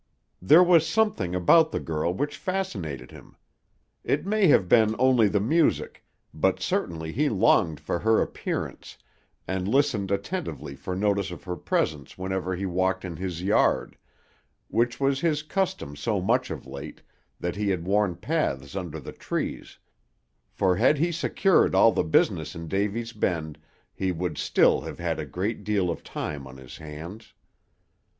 There was something about the girl which fascinated him. It may have been only the music, but certainly he longed for her appearance, and listened attentively for notice of her presence whenever he walked in his yard, which was his custom so much of late that he had worn paths under the trees; for had he secured all the business in Davy's Bend he would still have had a great deal of time on his hands.